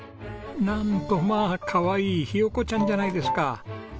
なんとまあかわいいひよこちゃんじゃないですか。